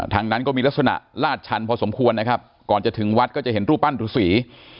นั้นก็มีลักษณะลาดชันพอสมควรนะครับก่อนจะถึงวัดก็จะเห็นรูปปั้นรูสี